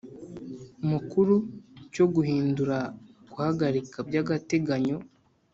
Mukuru cyo guhindura guhagarika by agateganyo